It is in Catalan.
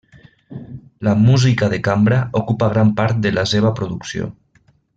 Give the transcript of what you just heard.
La música de cambra ocupa gran part de la seva producció.